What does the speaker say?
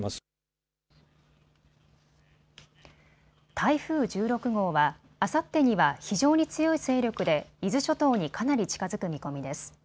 台風１６号は、あさってには非常に強い勢力で伊豆諸島にかなり近づく見込みです。